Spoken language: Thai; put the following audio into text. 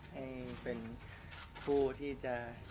ให้เป็นผู้ที่จะ